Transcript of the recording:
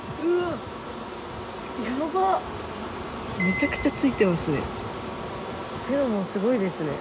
めちゃくちゃついてますね。